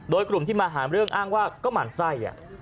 โดยกลุ่มที่มาหาเรื่องอ้างว่าก็หมั่นไส้